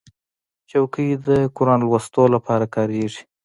چوکۍ د قرآن لوستلو لپاره کارېږي.